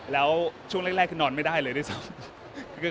แล้วช่วงแรกคือนอนไม่ได้เลยด้วยซ้ำ